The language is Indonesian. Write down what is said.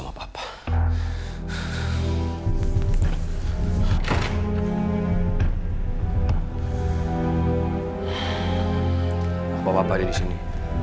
apa apa ada di sini